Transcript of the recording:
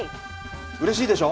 うれしいでしょ。